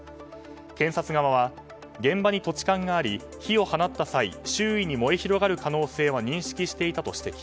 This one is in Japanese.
検察側は現場に土地勘があり火を放った際周囲に燃え広がる可能性を認識していたと指摘。